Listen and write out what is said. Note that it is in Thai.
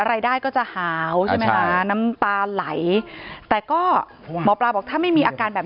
อะไรได้ก็จะหาวน้ำตาไหลแต่ก็หมอปลาบอกถ้าไม่มีอาการแบบ